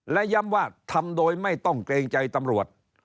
และย้ำว่าทำโดยไม่ต้องเกรงใจตำรวจ